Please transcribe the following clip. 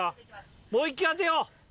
もう１球当てよう！